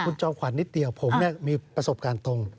คุณจอมขวัญนิดเดียวผมมีประสบการณ์ตรง